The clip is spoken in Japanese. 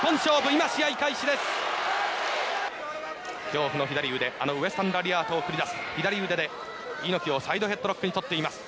恐怖の左腕あのウエスタン・ラリアットを繰り出す左腕で猪木をサイドヘッドロックに取っています。